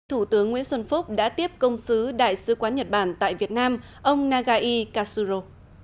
thủ tướng nguyễn xuân phúc đã tiếp công sứ đại sứ quán nhật bản tại việt nam ông nagasuro